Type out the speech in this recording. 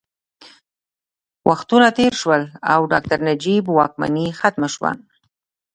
وختونه تېر شول او ډاکټر نجیب واکمني ختمه شوه